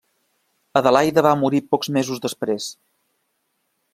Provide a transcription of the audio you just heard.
Adelaida va morir pocs mesos després.